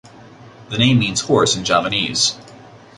The name means horse in Javanese.